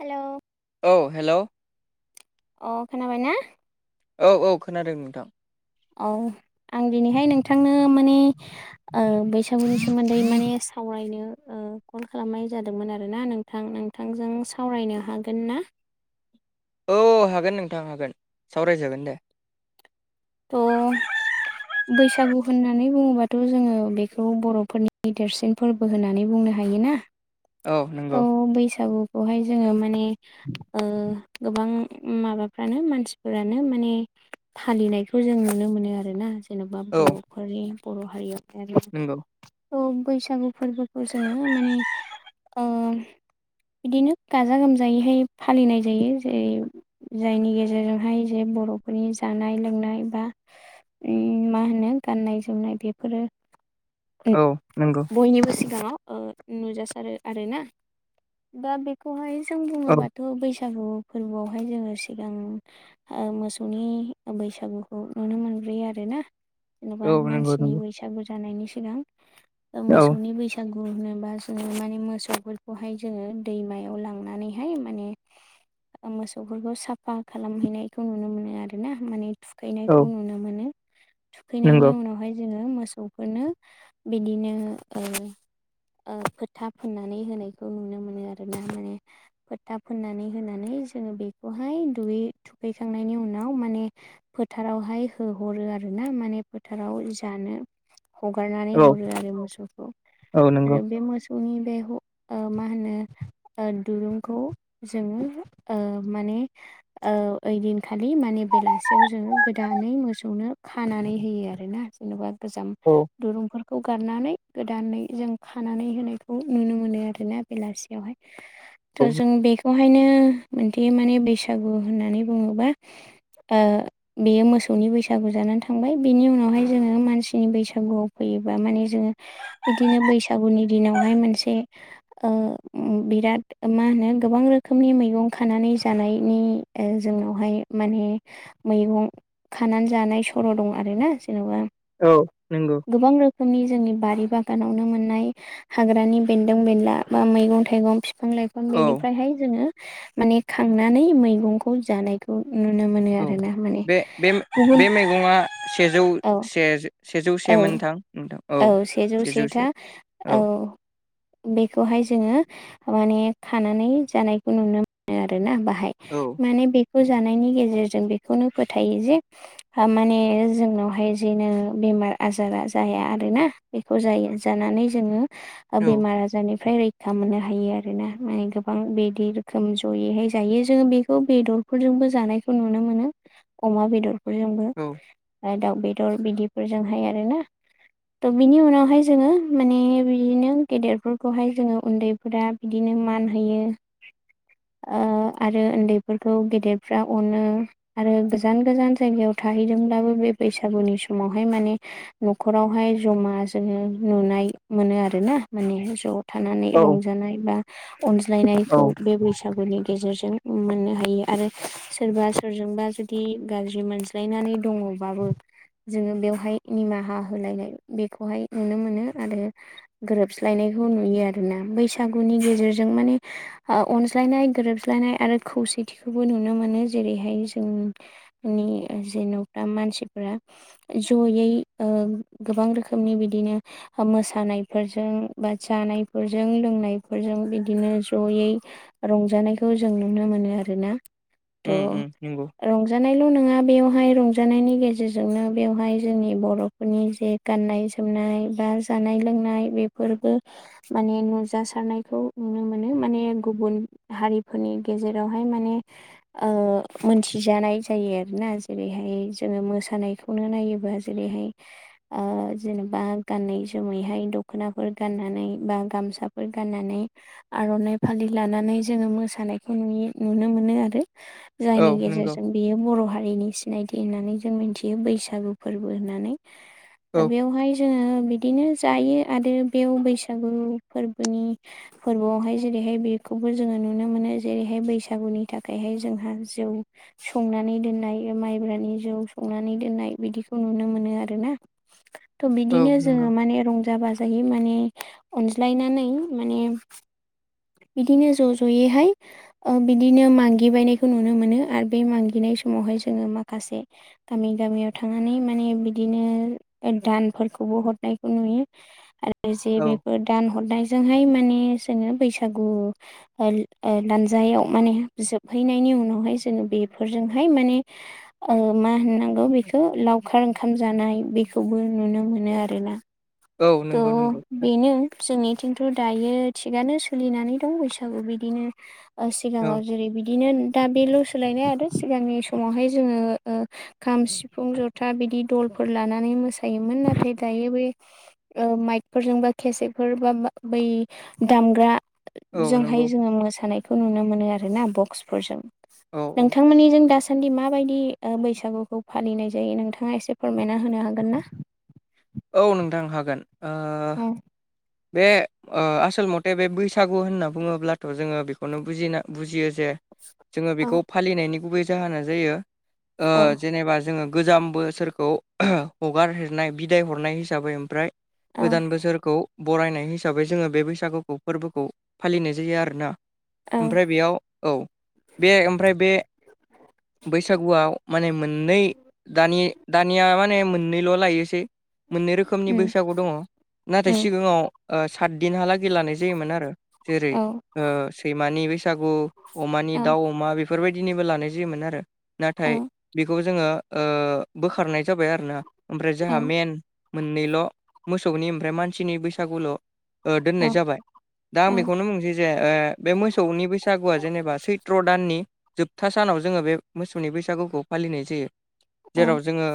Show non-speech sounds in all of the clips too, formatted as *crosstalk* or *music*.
Hello औ hello अ खोनाबायना औ औ खोनादों नोंथां औ आं दिनैहाय नोंथांनो माने बैसागुनि सोमोन्दै माने सावरायनो कल खालामनाय जादोंमोन आरो ना नोंथां नोंथांजों सावरायनो हागोन ना औ हागोन नोंथां हागोन सावरायजागोन दे अ बैसागु होननानै बुंङोबाथ' जोंङो बेखौ बर'फोरनि देरसिन फोरबो होननानै बुंनो हायोना औ नंगौ थ' बैसागुखौहाय जोंङो माने गोबां माबाफ्रानो मानसिफोरानो माने फालिनायखौ जों नुनो मोनो आरोना जेनेबा औ बर'फोरनि बर' हारिया आरो नंगौ औ बैसागु फोरबोखौ जोंङो माने बिदिनो गाजा गोमजायैहाय फालिनाय जायो जेरै जायनि गेजेरजोंहाय जे बर'फोरनि जानाय लोंनाय बा मा होनो गाननाय जोमनाय बेफोरो औ नंगौ बयनिबो सिगांङाव नुजासारो आरोना दा बेखौहाय जों औ बुंङोबाथ बैसागु फोरबोआवहाय जोंङो सिगां मोसौनि बैसागुखौ नुनो मोनबोयो आरो ना जेनबा औ नंगौ मानसिनि नंगौ बैसागु जानायनि सिगां औ मोसौनि बैसागु बैसागु ह़ोनोबा जोंङो माने मोसौफोरखौहाय जोंङो दैमायाव लांनानैहाय माने मोसौफोरखौ साफा खालामहैनायखौ नुनो मोनो आरोना माने औ थुखैनायखौ नुनो मोनो थुखैनायनि नंगौ उनावहाय जोंङो मोसौ फोरनो बिदिनो फोथा फुनानै होनायखौ नुनो मोनो आरोना माने फोथा फोननानै होनानै जोंङो बेखौहाय दुयै थुखैखांनायनि उनाव माने फोथारावहाय होहरो आरो ना माने फोथाराव जानो हगारनानै औ हरो आरो मोसौखौ औ नंगौ आरो बे मोसौनि बे ह मा होनो दुरुंखौ जोंङो माने ओइदिनखालि माने बेलासियाव जों गोदानै मोसौनो खानानै होयो आरोना जेनबा गोजाम औ दुरुंफोरखौ गारनानै गोदानै जों खानानै होनाय। खौ नुनो मोनो आरोना बेलासियावहाय औ थ' जों बे बेवहायनो मोनसे माने बैसागु होननानै बुंङो बा बेयो मोसौनि बैसागु जानानै थांबाय बिनि उनावहाय जोंङो मानसिनि बैसागुआव फैयोबा माने जोंङो बिदिनो बैसागुनि दिनावहाय मोनसे बिराद मा होनो गोबां रोखोमनि मैगं खानानै जानायनि ओ जोंनावहाय माने मैगं खानानै जानाय सर' दं आरोना जेन'बा। औ नंगौ गोबां रोखोमनि जोंनि बारि बागानावनो मोननाय हाग्रानि बेन्दों बेनला बा मैगं थाइगं बिफां लाइफां औ बेनिफ्रायहाय जोंङो माने खांनानै मैगंखौ जानाय खौ नुनो मोनो औ आरोना माने बे बे गुबुन बे मैगङा सेजौ औ से सेजौ औ सेमोन नोंथां नोंथां औ सेजौ सेथा औ बेखौहाय जोंङो माने खानानै जानायखौ नुनो मोनो आरोना बाहाय औ माने बेखौ जानायनि गेजेरजों बेखौनो फोथायो जे माने जोंनावहाय जेनो बेमार आजारा जाया आरोना बेखौ जायो जानानै जोङो औ बेमार आजारनिफ्राय रै खा मोननो हायो आरोना मान गोबां बिदि रोखोम जयैहाय जायो जोङो बेखौ बेद र फोरफोरजोंबो जानायखौ नुनो मोनो अमा बेदरफोरजोंबो औ दाउ बेदर बिदि फोरजोंहाय आरोना त' बिनि उनावहाय जोङो माने बिदिनो गेदेरफोरखौहाय जोङो उन्दै फोरा बिदिनो मान होयो। ओ आरो उन्दैफोरखौ गेदेरफ्रा अनो। आरो गोजान गोजान जायगायाव थाहैदोंब्लाबो बे बैसागुनि समावहाय माने न'खरावहाय जमा जोङो नुनाय मोनो आरोना माने ज' थानानै औ रंजानाय बा औ अनज्लायनायखौ बे बैसागुनि गेजेरजों मोननो हायो आरो सोरबा सोरजोंबा जुदि गाज्रि मोन ज्लायनानै दङबाबो जोङो बेवहाय निमाहा होलायनाय बेखौहाय नुनो मोनो आरो। गोरोबस्लायनायखौ नुयो आरोना बैसागुनि गेजेरजों माने अनज्लायनाय गोरोबज्लायनाय आरो खौसेथिखौबो नुनो मोनो जेरैहाय जों नि जेन'बा मानसिफोरा जयै गोबां रोखोमनि बिदिनो मोसानायफोरजों बा जानायफोरजों लोंनायफोरजों बिदिनो जयै रंजानायखौ जों नुनो मोनो आरोना। थ' उम-उम नंगौ। रंजानायल' नङा बेवहाय रंजानायनि गेजेर जोंनो बेहाय जोंनि बर'फोरनि जे गनायनाय बा जानाय लोंनाय बे बेफोरबो माने नुजासारनायखौ नुनो मोनो माने गुबुन हारिफोरनि गेजेरावहाय माने औ मोनथिजानाय जायो आरोना जेरैहाय जोङो मोसा नायखौनो नायोबा जेरैहाय जेनेबा गानैनाय जोमैहाय दख'नाफोर गाननानै बा गामसाफोर गाननानै आर'नाइ फालि लानानै जोङो मोसानायखौ नु नुनो मोनो आरो। औ जायनि नंगौ गेजेरजों बियो बर' हारिनि सिनायथि होननानै जों मिथियो बैसागु फोरबो होननानै। दा औ बेवहाय जोङो बि बिदिनो जायो आरो बेयाव बैसागु फोरबोनि फोरबोआवहाय जेरैहाय बेखौबो जोंङो नुनो मोनो जेरैहाय बैसागुनि थाखायहाय जोंहा जौ संनानै दोननाय माइब्रानि जौ सं बि नुनो मोनोना औ बिदिनो नंगौ जोंहा मानै रंजा बाजा ओमफ्रायो माने अनज्लायनानै माने बिदिनो ज' ज'यैहाय बिदिनो मागिबायनायखौ नुनो मोनो आरो बे मागिनाय समावहाय जोंङो माखासे गामि गामियाव थांनानै माने बिदिनो दानफोरखौबो हरनायखौ नुयो आरो जे औ बेफोर दान हरनाय जोंहाय माने जोंङो बैसागु लानजायाव माने जोबहैनायनि उनावहाय जोङो बेफोरजोंहाय माने मा होननांगौ बेखौ लावखार ओंखाम जानाय बेखौबो नुनो मोनो आरोना औ नंगौ नंगौ त' बेनो जोंनिथिंथ' दायो थिगनो सोलिनानै दं बैसागु बिदिनो औ सिगाङाव जेरै बिदिनो दा बेल' सोलायनाय आरो सिगांनि समावहाय जोंङो खाम सिफुं जथा बिदि दलफोर लानानै मोसायोमोन नाथाय दायो बे औ माइकफोरजों बा खसेफोर बा बै दामग्रा औ जोंहाय नंगौ जोङो मोसानायखौ नुनो मोनो आरोना बक्सफोरजों। औ औ नोंथांमोननिजों दा- सान्दि माबायदि ओ बैसागुखौ फालिनाय जायो नोंथाङा एसे फोरमायना होनो हागोन ना? औ नोंथां हागोन ओ औ बे ओ आसल मथे बे बैसागु होनना बुङोब्लाथ' जोंङो बेखौनो बुजिना बुजियो जे जोंङो औ बेखौ फालिनायनि गुबै जाहोना जायो ओ जेनेबा जोंङो गोजाम बो- सोरखौ हगार हरनाय बिदाय हरनाय हिसाबै ओमफ्राय औ गोदान बोसोरखौ बरायनाय हिसाबै जोंङो बे बैसागुखौ फोरबोखौ फालिनाय जायो आरोना। औ ओमफ्राय बेयाव औ बे ओमफ्राय बे बैसागुआव माने मोननै दानि दानिया माने मोननैल' लायोसै मोननै रोखोमनि उम बैसागु दंङो नाथाय उम सिगांङाव ओ सातदिनहा लागै लानाय जायोमोन आरो जेरै औ सैमानि बै- सागु अमानि औ दाउ अमा बेफोरबायदिनिबो लानाय जायोमोन आरो। औ नाथाय बेखौ जोंङो ओ बोखारनाय जाबाय आरोना। ओमफ्राय जोंहा मेन मोननैल' मोसौनि ओमफ्राय मानसिनि बैसागुल' औ दोननाय जाबाय। दा आं बेखौनो बुंसै जे बे मो- मोसौनि बैसागुआ जेनेबा सैत्र' दाननि जोबथा सानाव जोंङो बे मोसौनि बैसागुखौ फालिनाय जायो। औ जेराव जोंङो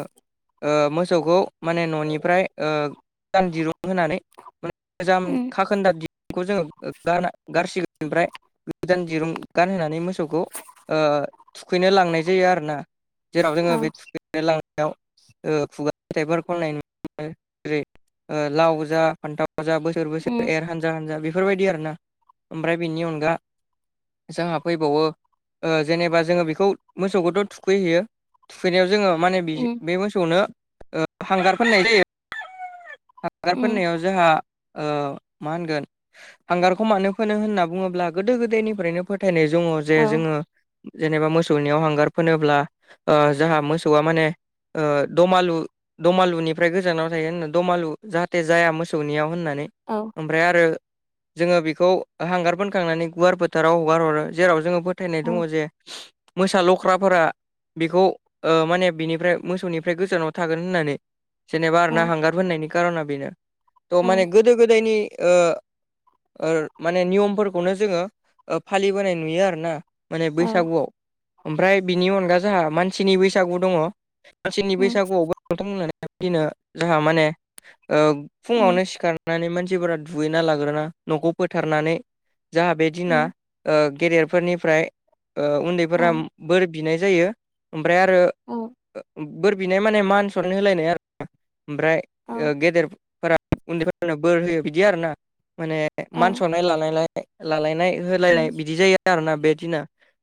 ओ मोसौखौ माने न'निफ्राय ओ गोदान दिरुं होनानै गोजाम उम खाखोन्दा दिरुंखौ जोंङो गारना गारसिगोन ओमफ्राय गोदान दिरुं गानहोनानै मोसौखौ ओ थुखैनो लांनाय जायो आरो ना जेराव जोंङो औ बे थुखैनो लांनायाव ओ खुगा फिथाइफोर खननाय नुनो मोनो जेरै ओ लाव जा फान्थाव जा बोसोर बोसोर उम एर हानजा हानजा बे- बेफोरबायदि आरोना ओमफ्राय बेनि अनगा जोंहा फैबावो जेनेबा जोंङो बेखौ मोसौखौथ' थुखैहैयो थुखैनायाव जोंङो माने उम बे मोसौनो हांगार फोननाय जायो हांगार उम फोननायाव जोंहा मा होनगोन हांगारखौ मानो फोनो होनना बुंङोब्ला गोदो गोदायनिफ्रायनो फोथायनाय दङ' औ जे जोंङो जेनेबा मोसौनियाव हांगार फोनोब्ला जोंहा मोसौआ माने दमालु दमालुनिफ्राय गोजानाव थायो होनना दमालु जाहाथे जाया मोसौनियाव होननानै औ ओमफ्राय आरो *inaudible* जोङो बेखौ हांगार फोनखांनानै गुवार फोथाराव हगार हरो जेराव जोङो फोथायनाय दङ' औ जे मोसा लख्राफोरा बेखौ ओ माने बिनिफ्राय मोसौनिफ्राय गोजानाव थागोन होननानै जेनेबा आरोना औ हांगार फोननायनि कार'ना बेनो थ' माने औ गोदो गोदायनि ओ ओ माने नियमफोर- खौनो जोङो फालिबोनाय नुयो आरोना माने औ बैसागुआव ओमफ्राय बिनि अनगा जोंहा मानसिनि बैसागु दङ'। मानसिनि उम बैसागुआवबो नोंथां बुंलांनाय बादिनो जोंहा माने ओ उम फुङावनो सिखार- नानै मानसिफोरा दुगैना लाग्रोना न'खौ फोथारनानै जाहा बे दिना उम ओ गेदेरफोरनिफ्राय ओ उन्दैफोरा औ बोर बिनाय जायो ओमफ्राय आरो बोर बिनाय माने मान सनमान होलायनाय आरोना ओमफ्राय औ गेदेरफोरा उन्दैफोरनो बोर होयो बिदि आरोना माने औ उम औ मान सनमान लालायनाय लालायनाय होलायनाय बिदि जायो आरोना बे दिना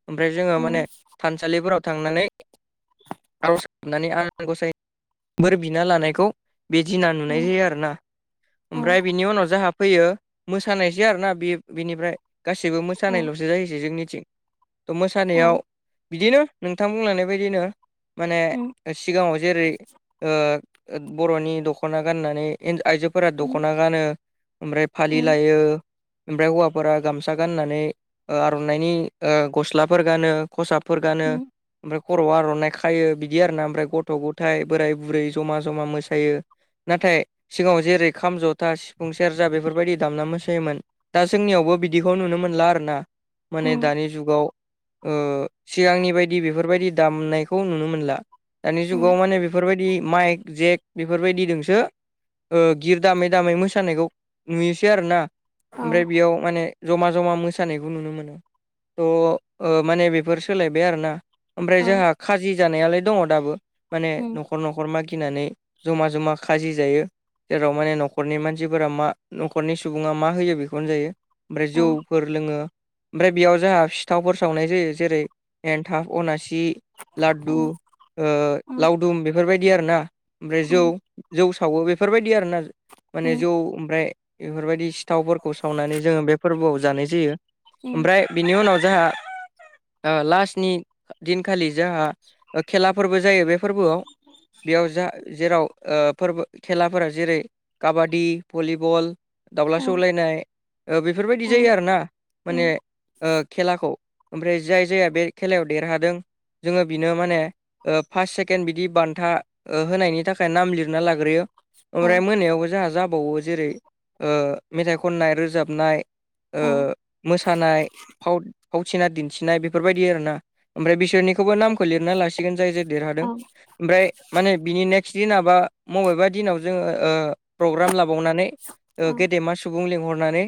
ओमफ्राय उम जोङो माने थानसालिफोराव थांनानै आर'ज खालामनानै आनान गसाइनाव बोर बिना लानायखौ बे दिना नुनाय उम जायो आरोना ओमफ्राय बिनि उनाव जोंहा फैयो। मोसानायसै आरोना बे बेनिफ्राय गासैबो उम उम मोसानायल'सो जायैसै जोंनिथिं थ' उम औ औ मोसानायाव बेदिनो नोंथां बुंलांनाय बायदि माने उम औ उम सिगाङाव जेरै ओ बर'नि दख'ना गाननानै *unintelligible* फोरा दख'ना गानो ओमफ्राय उम फालि लायो ओमफ्राय हौवाफोरा गाम फिसा गाननानै ओ आर'नाइनि ओ गस्लाफोर गानो खसाबफोर औ गानो। ओमफ्राय खरवाव आर'नाइ खायो बिदि आरोना ओमफ्राय गथ' गथाय बोराइ बुरै जमा जमा मोसायो। नाथाय सिगाङाव जेरै खाम जथा सिफुं सेर्जा बेफोरबादि दामना मोसायोमोन। दा जोंनियावबो बिदिखौ नुनो मोनला आरोना माने दानि जुगाव सिगांनि बायदि बेफोरबादि दामनायखौ नुनो मोनला। दानि जुगाव माने बेफोरबायदि माइक जेक बेफोरबायदिदोंसो ओ गिद दामै दामै मोसानायखौ नुयोसै आरोना। ओमफ्राय बियाव माने जमा जमा मोसानायखौ नुनो मोनो थ' ओ माने बेफोर सोलायबाय आरोना। ओमफ्राय जोंहा उम खाजि जानायालाय दङ दाबो माने न'खर न'खर मागिनानै। जमा जमा खाजि जायो। जेराव माने न'खरनि मानसिफोरा मा न'खरनि सुबुङा मा होयो बेखौनो जायो। ओमफ्राय औ जौफोर लोङो। ओमफ्राय बेयाव जोंहा सिथावफोर सावनाय जायो जेरै एन्थाब अनासि औ लादु ओ औ लावदुम बेफोरबायदि आरोना। ओमफ्राय जौ जौ सावो बेफोरबायदि आरोना माने जौ ओमफ्राय बेफोरबादि सिथावफोरखौ सावनानै जोङो बे फोरबोआव जानाय जायो ओमफ्राय बिनि उनाव जोंहा ओ लास्टनि दिनखालि जोंहा खेला फोरबो जायो बे फोरबोआव। बेयाव जा जेराव ओ फोरबो खेलाफोरा जेरै काबादि, भलिबल दाउला सौलायनाय ओ बेफोरबायदि जायो आरोना माने औ खेलाखौ ओमफ्राय जाय जाया बे खेलायाव देरहादों। जोङो बिनो माने फार्स सेकेणड बिदि बान्था होनायनि थाखाय नाम लिरना लाग्रोयो ओमफ्राय मोनायावबो जोङा जाबावो। जेरै ओ मेथाइ खननाय रोजाबनाय ओ मोसानाय फाव फावथिना दिन्थिनाय बेफोरबादि आरोना ओमफ्राय बिसोरनिखौबो नामखौ लिरनानै लासिगोन जाय जाय देरहादों ओमफ्राय माने बिनि नेक्स्ट दिनाबा बबेबा दिनाव जोङो। प्रग्राम लाबावनानै गेदेमा सुबुं लिंहरनानै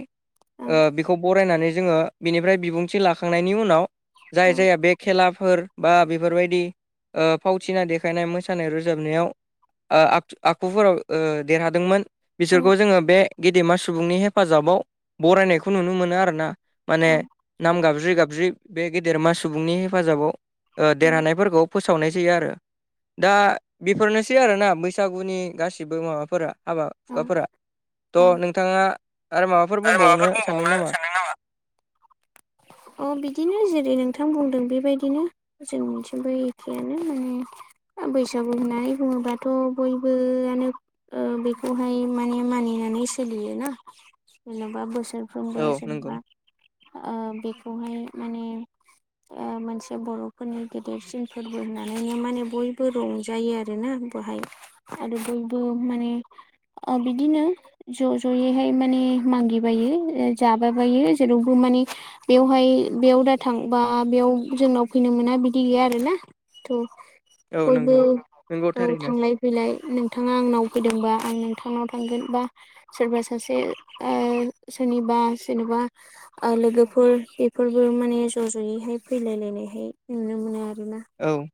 बेखौ फरायनानै जोङो बिनिफ्राय बिबुंथि लाखांनायनि उनाव जाय जाया बे खेलाफोर बा बेफोरबादि फावथिना देखायनाय मोसानाय रोजाबनायाव ओ आखुफोराव देरहादोंमोन बिसोरखौ जोङो बे गेदेमा सुबुंनि हेफाजाबाव बरायनायखौ नुनो मोनो आरोना माने। नाम गाबज्रि गाबज्रि बे गेदेरमा सुबुंनि हेफाजाबाव देरहानायफोरखौ फोसावनाय जायो आरो दा बेफोरनोसै बिदि आरोना बैसागुनि गासिबो माबाफोरा हाबा औ हुखाफोरा औ औ थ' नोंथाङा आरो माबाफोर बुंबावनो सानदों नामा? अ बिदिनो जेरै नोंथां बुंदों बेबादिनो जों थिंबो एखेयानो माने बैसागु होननानै बुङोब्लााथ' बयबोआनो बेखौहाय माने मानिनानै सोलियो ना? जेन'बा बोसोरफ्रोमबो औ नंगौ जेनेबा बेखौहाय माने मोनसे बर'फोरनि गेदेरसिन फोरबो होननानैनो माने बयबो रंजायो आरोना बेवहाय आरो बयबो माने ओ बिदिनो ज' ज'यैहाय माने मांगिबायो जाबाबायो जेरावबो माने बेवहाय बेयाव दाथां बा बेयाव जोंनाव फैनो मोना बिदि गैया आरोना। थ' औ बयबो नंगौ नंगौ औ थारैनो थांलाय। बिलाय नोंथाङा आंनाव फैदोंबा आं नोंथांनाव थांगोन बा सोरबा सासे सोरनिबा जेनेबा लोगोफोर बेफोरबो माने ज' ज'यैहाय फैलायलायनायहाय नुनो मोनो आरोना। औ।